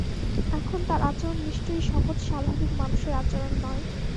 এখন তাঁর আচরণ নিশ্চয়ই সহজ-স্বাভাবিক মানুষের আচরণ নয়।